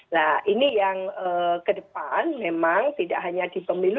nah ini yang kedepan memang tidak hanya di pemilu